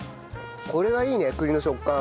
これはいいね栗の食感。